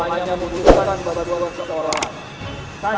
assalamu'alaikum warahmatullah wabarakatuh